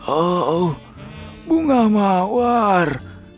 oh bunga mawar